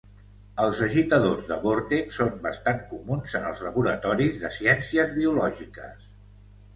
Els agitadors de vòrtex són bastant comuns en els laboratoris de ciències biològiques.